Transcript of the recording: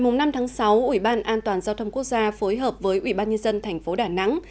ngày năm tháng sáu ủy ban an toàn giao thông quốc gia phối hợp với ủy ban nhân dân thành phố đà nẵng